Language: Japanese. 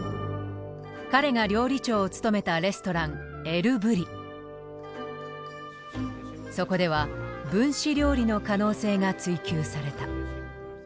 彼が料理長を務めたレストランそこでは分子料理の可能性が追求された。